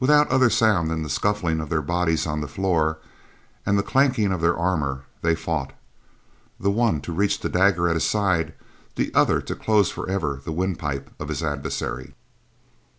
Without other sound than the scuffing of their bodies on the floor, and the clanking of their armor, they fought, the one to reach the dagger at his side, the other to close forever the windpipe of his adversary.